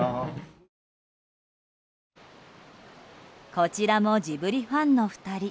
こちらもジブリファンの２人。